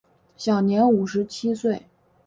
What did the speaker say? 享年五十七岁。